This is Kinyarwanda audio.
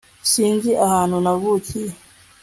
sinzi ahantu navukiye